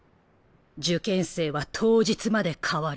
受験生は当日まで変わる。